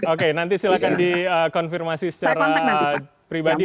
oke nanti silahkan dikonfirmasi secara pribadi